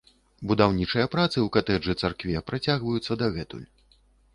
Будаўнічыя працы ў катэджы-царкве працягваюцца дагэтуль.